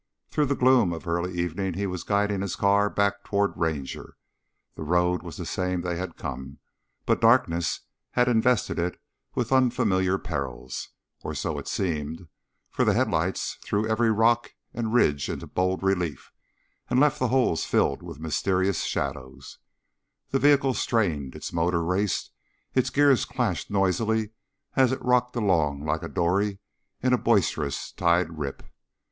Through the gloom of early evening he was guiding his car back toward Ranger. The road was the same they had come, but darkness had invested it with unfamiliar perils, or so it seemed, for the headlights threw every rock and ridge into bold relief and left the holes filled with mysterious shadows; the vehicle strained, its motor raced, its gears clashed noisily as it rocked along like a dory in a boisterous tide rip.